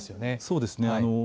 そうですね。